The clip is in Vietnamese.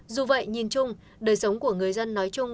dù vậy nhìn chung đời sống của người dân nói chung